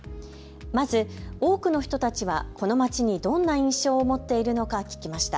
まず多くの人たちはこの街にどんな印象を持っているのか聞きました。